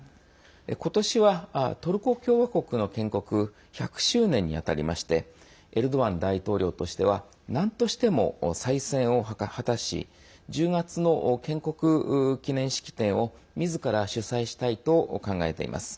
今年は、トルコ共和国の建国１００周年に当たりましてエルドアン大統領としてはなんとしても再選を果たし１０月の建国記念式典をみずから主催したいと考えています。